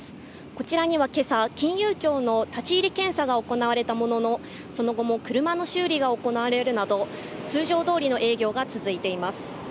こちらには今朝、金融庁の立ち入り検査が行われたもののその後も車の修理が行われるなど通常どおりの営業が続いています。